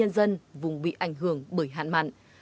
nhân dân vùng bị ảnh hưởng bởi hạn mặn